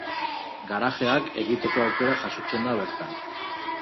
Garajeak egiteko aukera jasotzen da bertan.